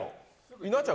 稲ちゃん